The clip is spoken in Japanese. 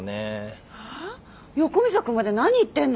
横溝君まで何言ってんの？